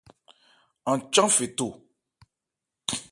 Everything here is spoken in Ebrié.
An chán fe tho.